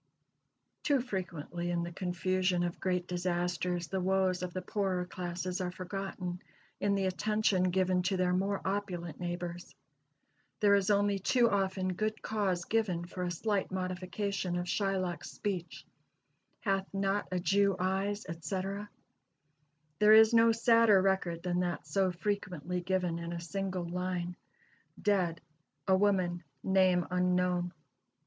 Too frequently in the confusion of great disasters the woes of the poorer classes are forgotten in the attention given to their more opulent neighbors. There is only too often good cause given for a slight modification of Shylock's speech, "Hath not a Jew eyes?" etc. There is no sadder record than that so frequently given in a single line: "Dead a woman, name unknown."